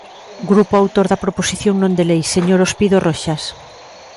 Grupo autor da proposición non de lei, señor Ospido Roxas.